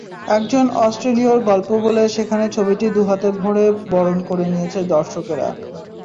একজন অস্ট্রেলীয়র গল্প বলে সেখানে ছবিটি দুহাত ভরে বরণ করে নিয়েছে দর্শকেরা।